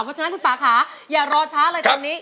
เพราะฉะนั้นคุณป่าค่ะอย่ารอช้าเลยตอนนี้